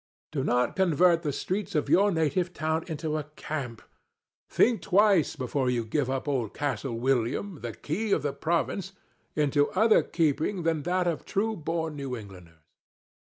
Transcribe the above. Do not convert the streets of your native town into a camp. Think twice before you give up old Castle William, the key of the province, into other keeping than that of true born New Englanders."